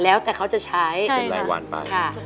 แล้วแต่เขาจะใช้เป็นรายวันป่ะใช่ค่ะค่ะ